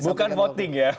bukan voting ya